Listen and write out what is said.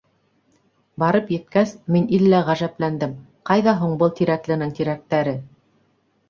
Барып еткәс, мин иллә ғәжәпләндем: ҡайҙа һуң был Тирәкленең тирәктәре?